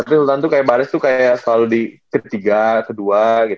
tapi sultan tuh kayak baris tuh kayak selalu di ketiga kedua gitu